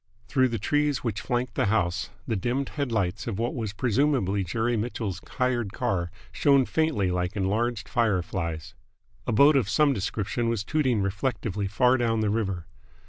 Through the trees which flanked the house the dimmed headlights of what was presumably Jerry Mitchell's hired car shone faintly like enlarged fire flies. A boat of some description was tooting reflectively far down the river.